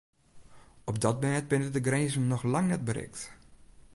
Op dat mêd binne de grinzen noch lang net berikt.